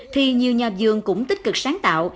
thì nhiều nhà vườn cũng tích cực sáng tạo